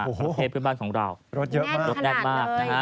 พระเภพเพื่อนบ้านของเรารถแดดมาก